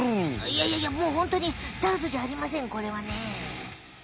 いやいやいやもうホントにダンスじゃありませんこれはね。